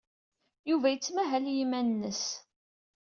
Yuba yettmahal i yiman-nnes.